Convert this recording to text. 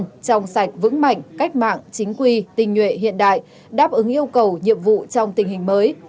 trong sạch vững mạnh cách mạng chính quy tình nhuệ hiện đại đáp ứng yêu cầu nhiệm vụ trong tình hình mới